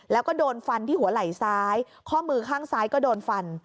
แล้วก็โดนฟันที่หัวไหล่ซ้ายข้อมือข้างซ้ายก็โดนฟัน